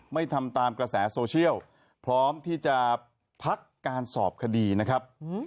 ไม่ทำตามกระแสโซเชียลพร้อมที่จะพักการสอบคดีนะครับ